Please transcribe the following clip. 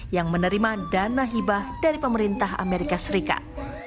yang menerima dana hibah dari pemerintah amerika serikat